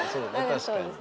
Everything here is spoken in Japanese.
確かに。